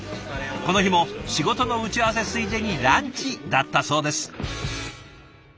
この日も仕事の打ち合わせついでにランチだったそうです。